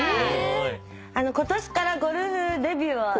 今年からゴルフデビューをしまして。